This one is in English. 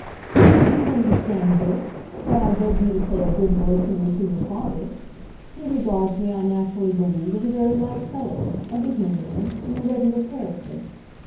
"Well, you can understand this—that I beg you to say a good word for me to your father. He regards me, I naturally believe, as a very light fellow, a Bohemian, an irregular character.